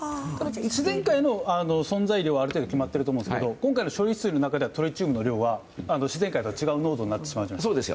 自然界の存在量はある程度決まっていると思いますけど今回の処理水の中ではトリチウムの量は自然界と違う濃度になってしまうじゃないですか。